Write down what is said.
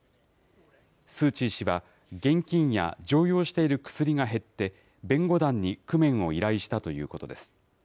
スー・チー氏は、現金や常用している薬が減って、弁護団に工面を依頼したということです。